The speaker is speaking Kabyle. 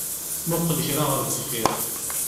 Muqel kra ɣer deffir